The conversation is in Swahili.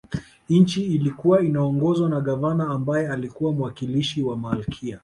Nchi ilikuwa inaongozwa na Gavana ambaye alikuwa mwakilishi wa Malkia